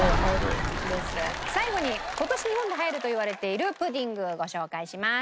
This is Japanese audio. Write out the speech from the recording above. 最後に今年日本で流行るといわれているプディングご紹介します。